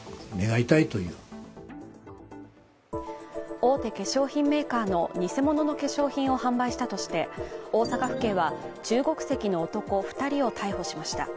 大手化粧品メーカーの偽物の化粧品を販売したとして大阪府警は中国籍の男２人を逮捕しました。